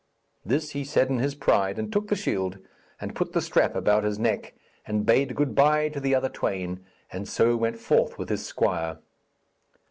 This he said in his pride, and took the shield and put the strap about his neck, and bade good bye to the other twain, and so went forth with his squire.